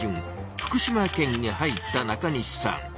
福島県に入った中西さん。